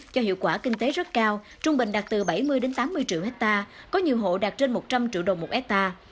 cho hiệu quả kinh tế rất cao trung bình đạt từ bảy mươi tám mươi triệu hectare có nhiều hộ đạt trên một trăm linh triệu đồng một hectare